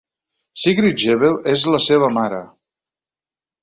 Sigrid Gebel és la seva mare.